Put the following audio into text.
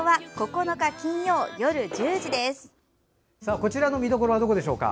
こちらの見どころはどこでしょうか？